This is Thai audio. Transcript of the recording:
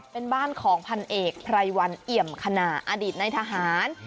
เป็นบ้านของพันเอกไพรวันเอี่ยมคณาอดีตในทหาร